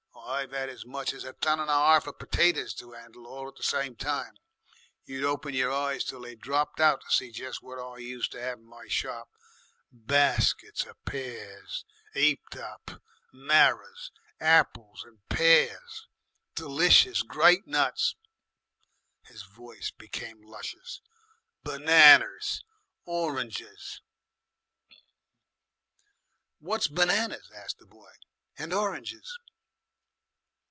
Why, I've 'ad as much as a ton and a 'arf of petaties to 'andle all at one time. You'd open your eyes till they dropped out to see jes' what I used to 'ave in my shop. Baskets of pears 'eaped up, marrers, apples and pears, d'licious great nuts." His voice became luscious "Benanas, oranges." "What's benanas?" asked the boy, "and oranges?"